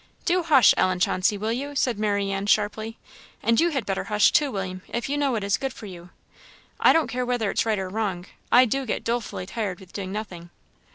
"Do hush, Ellen Chauncey, will you?" said Marianne, sharply; "and you had better hush too, William, if you know what is good for yourself. I don't care whether it's right or wrong, I do get dolefully tired with doing nothing."